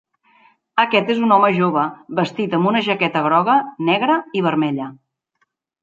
Aquest és un home jove vestit amb una jaqueta groga, negra i vermella.